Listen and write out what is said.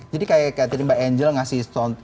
jadi kayak tadi mbak angel ngasih contoh